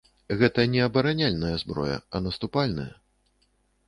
Гэта не абараняльная зброя, а наступальная.